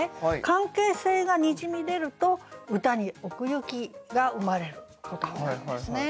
関係性がにじみ出ると歌に奥行きが生まれることがあるんですね。